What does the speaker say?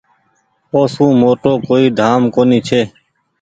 او سون موٽو ڪوئي ڌآم ڪونيٚ ڇي۔